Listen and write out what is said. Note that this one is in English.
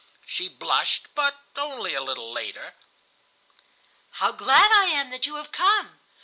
She blushed, but only a little later. "'How glad I am that you have come!